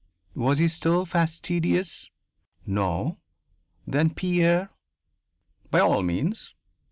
Was he still fastidious? No. Then Pierre, by all means!